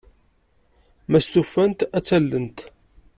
Ma stufant, ad tt-allent.